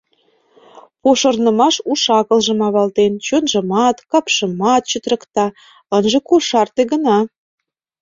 Пошырнымаш уш-акылжым авалтен, чонжымат капшымат чытырыкта, ынже кошарте гына.